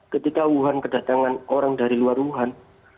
ketika wuhan kedatangan orang dari luar wuhan